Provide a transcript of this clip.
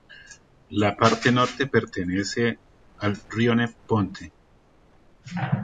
La parte norte pertenece al rione Ponte.